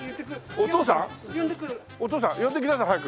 お父さん呼んできなさい早く。